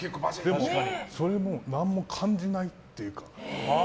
それも何も感じないっていうか。